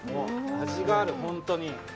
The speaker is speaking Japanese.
味がある、本当に。